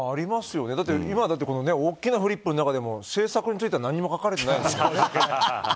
だって今大きなフリップの中にも政策については何も書かれてないですからね。